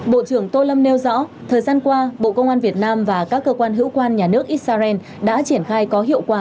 bộ trưởng tô lâm nêu rõ thời gian qua bộ công an việt nam và các cơ quan hữu quan nhà nước israel đã triển khai có hiệu quả